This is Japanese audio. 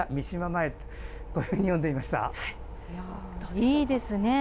いいですね。